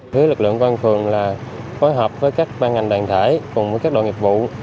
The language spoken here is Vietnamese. thứ lực lượng văn phường là phối hợp với các ban ngành đoàn thể cùng với các đội nghiệp vụ